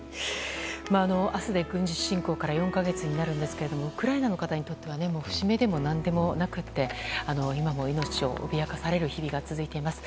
明日で軍事侵攻から４か月になるんですがウクライナの方にとっては節目でもなんでもなくて今も命を脅かされる日々が続いています。